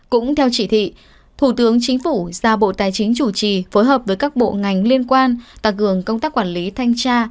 cũng theo chỉ thị thủ tướng chính phủ giao bộ tài chính chủ trì phối hợp với các bộ ngành liên quan tăng cường công tác quản lý thanh tra